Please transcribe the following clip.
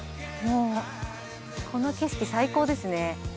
この景色最高ですね。